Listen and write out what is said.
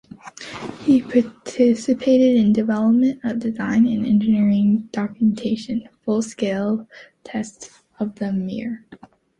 He participated in development of design and engineering documentation, full-scale tests of the Mir.